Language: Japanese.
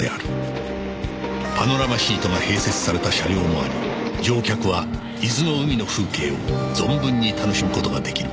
パノラマシートが併設された車両もあり乗客は伊豆の海の風景を存分に楽しむ事が出来る